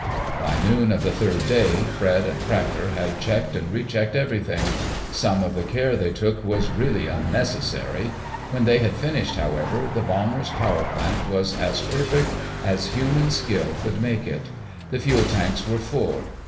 By noon of the third day, Fred and Cracker had checked and re checked everything. Some of the care they took was really unnecessary. When they had finished, however, the bomber's power plant was as perfect as human skill could make it. The fuel tanks were full.